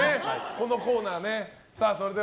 このコーナーね。